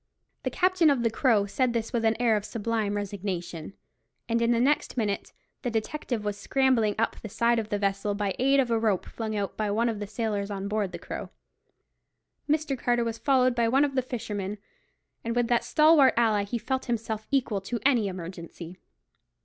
The captain of the Crow said this with an air of sublime resignation; and in the next minute the detective was scrambling up the side of the vessel, by the aid of a rope flung out by one of the sailors on board the Crow. Mr. Carter was followed by one of the fishermen; and with that stalwart ally he felt himself equal to any emergency.